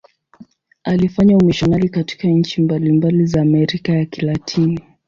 Alifanya umisionari katika nchi mbalimbali za Amerika ya Kilatini.